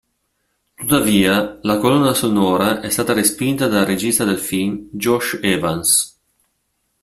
Tuttavia, la colonna sonora è stata respinta dal regista del film Josh Evans.